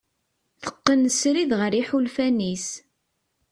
Teqqen srid ɣer yiḥulfan-is.